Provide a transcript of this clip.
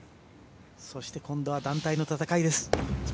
そして今度は団体の戦い。